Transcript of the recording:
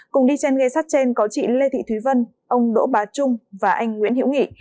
cùng đi trên ghe sát trên có chị lê thị thúy vân ông đỗ bá trung và anh nguyễn hiễu nghị